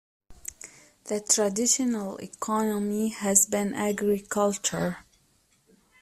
The traditional economy has been agriculture.